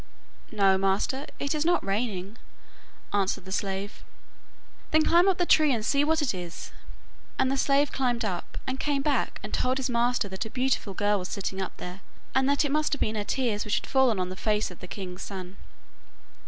'No, master, it is not raining,' answered the slave. 'Then climb up the tree and see what it is,' and the slave climbed up, and came back and told his master that a beautiful girl was sitting up there, and that it must have been her tears which had fallen on the face of the king's son.